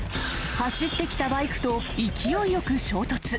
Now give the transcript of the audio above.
走ってきたバイクと勢いよく衝突。